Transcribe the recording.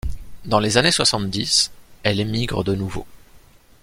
Dans les années soixante-dix, elle émigre de nouveau.